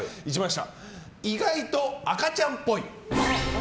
意外と赤ちゃんっぽい。